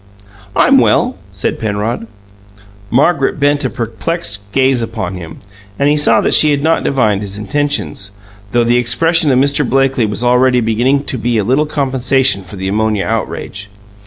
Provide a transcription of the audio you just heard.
"I'm well," said Penrod. Margaret bent a perplexed gaze upon him, and he saw that she had not divined his intentions, though the expression of Mr. Blakely was already beginning to be a little compensation for the ammonia outrage.